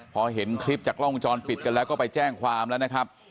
พอเห็นคลิปจากกล้องวงจรปิดกันแล้วก็ไปแจ้งความแล้วนะครับ